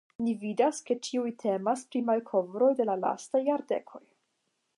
Ni vidas ke ĉiuj temas pri malkovroj de la lastaj jardekoj.